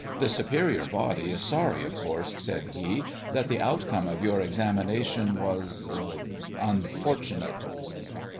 "The Superior Body is sorry, of course," said he, "that the outcome of your examination was unfortu nate."